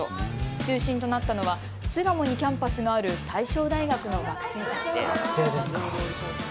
中心となったのは巣鴨にキャンパスがある大正大学の学生たちです。